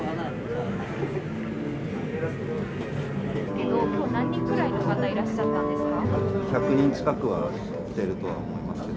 今日何人くらいの方いらっしゃったんですか？